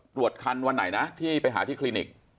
ตรวจคันวันไหนนะที่ไปหาที่คลินิก